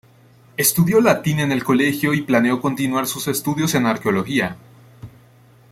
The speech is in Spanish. Estudió Latín en el colegio y planeó continuar sus estudio en Arqueología.